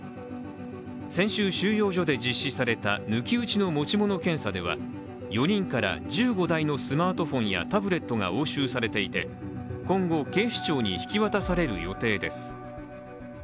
先週、収容所で実施された抜き打ちの持ち物検査では、４人から１５台のスマートフォンやタブレットが押収されていて今後、警視庁に引き渡される予定です。